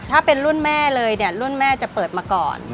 ถ้าเป็นรุ่นแม่เลยเนี่ยรุ่นแม่จะเปิดมาก่อน